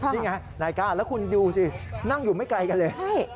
นี่ไงนายก้าแล้วคุณดูสินั่งอยู่ไม่ไกลกันเลย